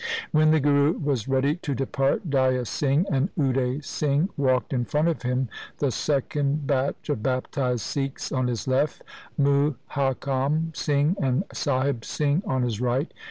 When the Guru was ready to depart, Day a Singh and Ude Singh walked in front of him, the second batch of baptized Sikhs on his left, Muhakam Singh and Sahib Singh on his right.